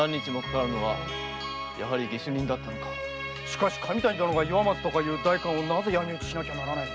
しかし神谷殿が岩松という代官をなぜ闇討ちしなきゃならない？